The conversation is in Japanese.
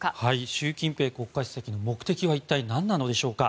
習近平国家主席の目的は一体、何なのでしょうか。